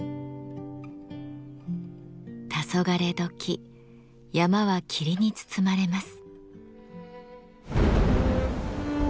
たそがれ時山は霧に包まれます。